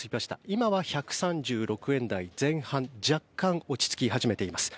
今は１３６円台前半若干落ち着き始めています。